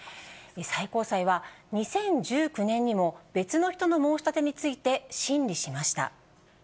最高裁は２０１９年にも、別の人の申し立てについて、審理しました。